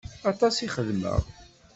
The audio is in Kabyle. Aṭas i xedmeɣ.